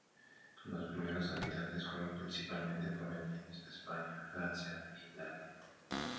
Los primeros habitantes fueron principalmente provenientes de España, Francia e Italia.